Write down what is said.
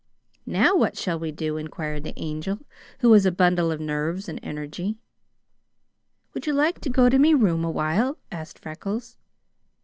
"Now, what shall we do?" inquired the Angel, who was a bundle of nerves and energy. "Would you like to go to me room awhile?" asked Freckles.